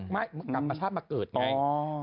กลับมาชาติมาเกิดไง